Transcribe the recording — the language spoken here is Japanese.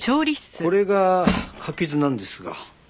これが柿酢なんですが。